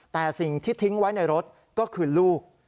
แต่สิ่งที่ทิ้งไว้ในรถก็คือลูก